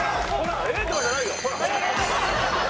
「ええー！」とかじゃないよ。